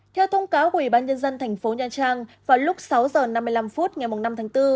theo thông cáo ủy ban nhân dân thành phố nha trang vào lúc sáu h năm mươi năm phút ngày năm tháng bốn